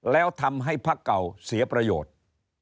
แล้วทำให้พักเก่าเสียประโยชน์